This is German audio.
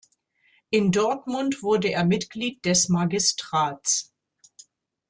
In Dortmund wurde er Mitglied des Magistrats.